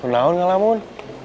selamat ulang tahun